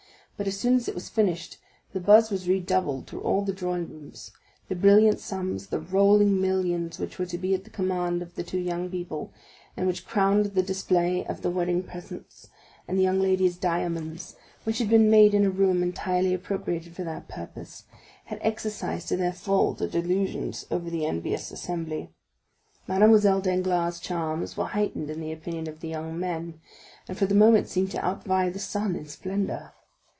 But as soon as it was finished, the buzz was redoubled through all the drawing rooms; the brilliant sums, the rolling millions which were to be at the command of the two young people, and which crowned the display of the wedding presents and the young lady's diamonds, which had been made in a room entirely appropriated for that purpose, had exercised to the full their delusions over the envious assembly. Mademoiselle Danglars' charms were heightened in the opinion of the young men, and for the moment seemed to outvie the sun in splendor.